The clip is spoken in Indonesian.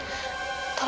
tunggu ibu mila mohon